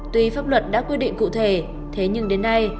tuy pháp luật đã quy định cụ thể thế nhưng đến nay